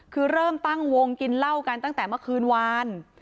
คือเริ่มตั้งวงกินเหล้ากันตั้งแต่เมื่อคืนวาน